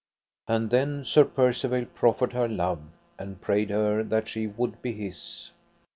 And then Sir Percivale proffered her love, and prayed her that she would be his.